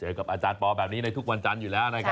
กับอาจารย์ปอแบบนี้ในทุกวันจันทร์อยู่แล้วนะครับ